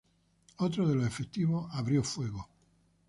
Otro de los efectivos abrió fuego.